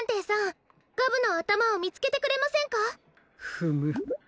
フム。